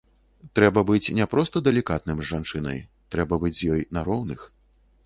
Трэба быць не проста далікатным з жанчынай, трэба быць з ёй на роўных.